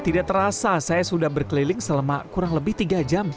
tidak terasa saya sudah berkeliling selama kurang lebih tiga jam